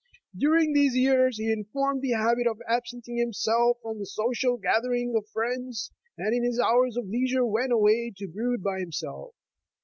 During these years he formed the habit of absenting himself from the social gatherings of friends, and in his hours of leisure went away to brood by himself.